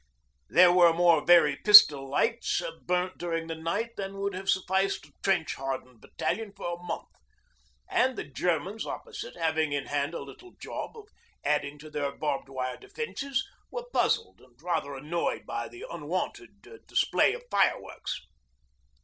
There were more Verey pistol lights burnt during the night than would have sufficed a trench hardened battalion for a month, and the Germans opposite, having in hand a little job of adding to their barbed wire defences, were puzzled and rather annoyed by the unwonted display of fireworks.